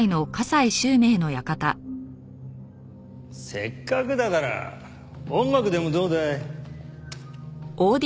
せっかくだから音楽でもどうだい？